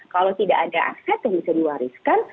kalau tidak ada aset yang bisa diwariskan